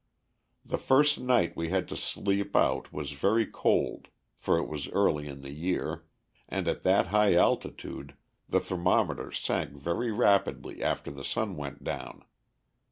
The first night we had to sleep out was very cold, for it was early in the year, and at that high altitude the thermometer sank very rapidly after the sun went down.